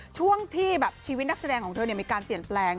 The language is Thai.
ช่วงที่ชีวิตนักแสดงของเธอมีการเปลี่ยนแปลง